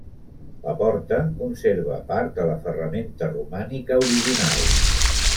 La porta conserva part de la ferramenta romànica original.